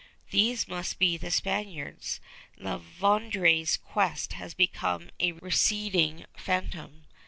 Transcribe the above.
These must be the Spaniards. La Vérendrye's quest has become a receding phantom.